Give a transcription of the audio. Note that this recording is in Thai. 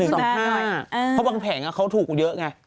เพราะบางแผงเขาถูกเยอะไง